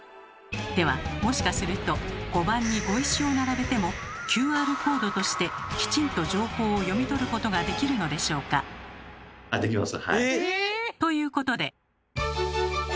ではもしかすると碁盤に碁石を並べてもＱＲコードとしてきちんと情報を読み取ることができるのでしょうか？ということで。